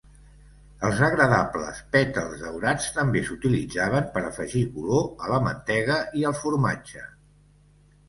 Els agradables pètals daurats també s'utilitzaven per afegir color a la mantega i al formatge.